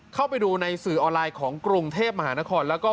เข้าไปดูในสื่อออนไลน์ของกรุงเทพมหานครแล้วก็